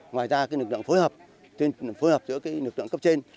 ngoài ra lực lượng phối hợp giữa lực lượng cấp trên